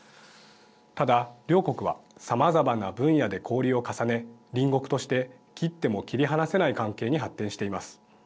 ただ、両国はさまざまな分野で交流を重ね隣国として切っても切り離せない関係に発展しています。